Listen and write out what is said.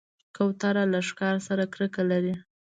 کوتره له ښکار سره کرکه لري.